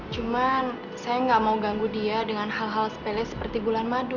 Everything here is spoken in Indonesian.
cuma saya nggak mau ganggu dia dengan hal hal sepele seperti bulan madu